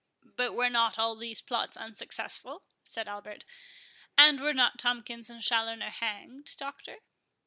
"But were not all these plots unsuccessful?" said Albert; "and were not Tomkins and Challoner hanged, Doctor?"